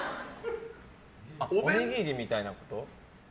おにぎりみたいなこと？